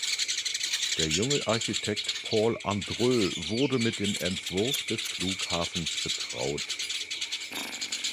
Der junge Architekt Paul Andreu wurde mit dem Entwurf des Flughafens betraut.